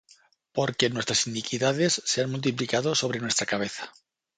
porque nuestras iniquidades se han multiplicado sobre nuestra cabeza,